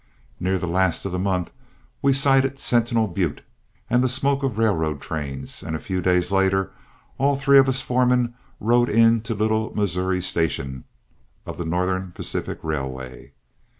Near the last of the month we sighted Sentinel Butte and the smoke of railroad trains, and a few days later all three of us foremen rode into Little Missouri Station of the Northern Pacific Railway.